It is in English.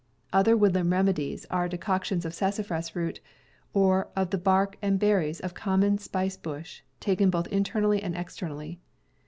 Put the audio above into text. Other woodland remedies are decoctions of sassafras root, or of the bark and berries of common spice bush, taken both internally and ex ternally.